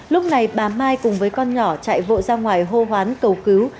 lúc này bà mai cùng với con nhỏ chạy vội ra ngoài hô hoán cầu cứu